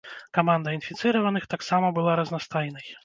Каманда інфіцыраваных таксама была разнастайнай.